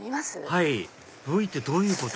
はい部位ってどういうこと？